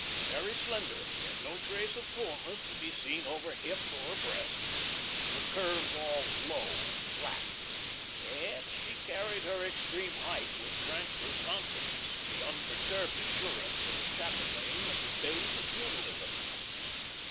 Very slender as yet, no trace of fulness to be seen over hip or breast, the curves all low and flat, she yet carried her extreme height with tranquil confidence, the unperturbed assurance of a chatelaine of the days of feudalism.